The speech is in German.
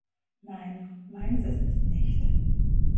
Nein, meins ist es nicht.